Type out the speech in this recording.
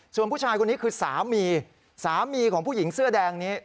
ส่วนผู้ชายคนนี้คือสามีสามีของผู้หญิงเสื้อแดงนี้